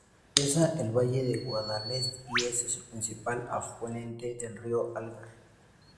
Atraviesa el valle de Guadalest y es el principal afluente del río Algar.